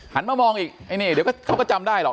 หันมามองอีกเขาก็จำได้หรอก